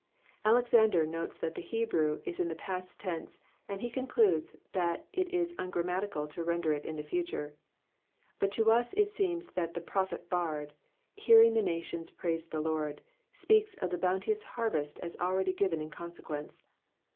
Alexander notes that the Hebrew is in the past tense, and he concludes that it is ungrammatical to render it in the future ; but to us it seems that the prophet bard, hearing the nations praise the Lord, speaks of the bounteous harvest as already given in consequence.